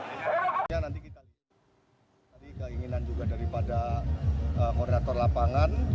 sehingga nanti kita lihat keinginan juga daripada korator lapangan